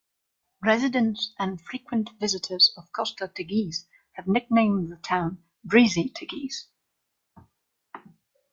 Residents and frequent visitors of Costa Teguise have nicknamed the town "Breezy Teguise".